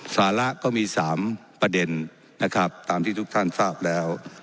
สาระก็มี๓ประเด็นนะครับตามที่ทุกท่านทราบแล้ว